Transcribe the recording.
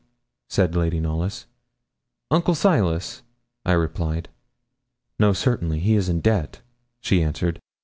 said Lady Knollys. 'Uncle Silas,' I replied. 'No, certainly; he's in debt,' she answered.